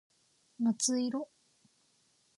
夏色